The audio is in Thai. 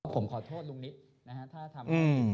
ผมขอโทษลุงนิตถ้าทำให้พี่น้องประชาชนบางส่วน